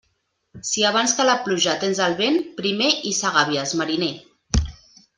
Si abans que la pluja tens el vent, primer hissa gàbies, mariner.